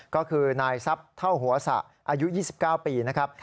ก็คือนายทรัพย์เท่าหัวสะอายุ๒๙ปีนะครับ